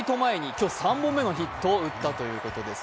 今日３本ヒットを打ったということです。